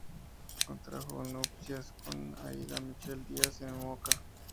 Contrajo nupcias con Aída Michel Díaz en Moca.